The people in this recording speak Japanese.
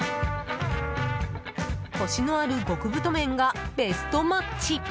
コシのある極太麺がベストマッチ。